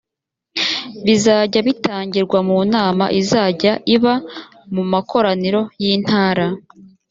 bizajya bitangirwa mu nama izajya iba mu makoraniro y intara